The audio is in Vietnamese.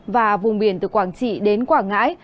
và vùng biển từ quảng trị đến quảng ngãi